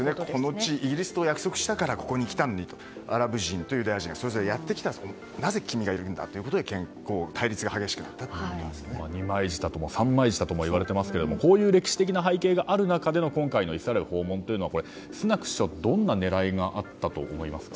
イギリスと約束をしたからここに来たのにアラブ人、ユダヤ人はせっかく来たのになぜ君がいるんだ？ということで対立が二枚舌とも三枚舌ともいわれますがこういう歴史的な背景がある中での今回のイスラエル訪問はスナク首相はどんな思惑があったと思いますか。